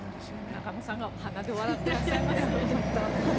中野さんが鼻で笑っていらっしゃいますね。